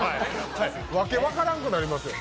訳分からんくなりますよ。